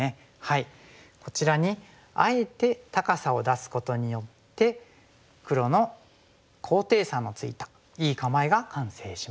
こちらにあえて高さを出すことによって黒の高低差のついたいい構えが完成します。